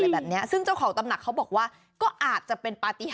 แบบนี้ซึ่งเจ้าของตำหนักเขาบอกว่าก็อาจจะเป็นปฏิหาร